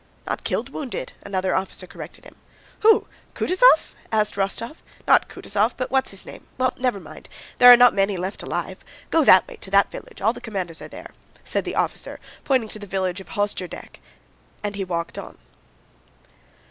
"Not killed—wounded!" another officer corrected him. "Who? Kutúzov?" asked Rostóv. "Not Kutúzov, but what's his name—well, never mind... there are not many left alive. Go that way, to that village, all the commanders are there," said the officer, pointing to the village of Hosjeradek, and he walked on.